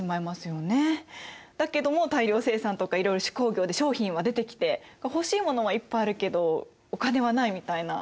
だけども大量生産とかいろいろ手工業で商品は出てきて欲しいものはいっぱいあるけどお金はないみたいな。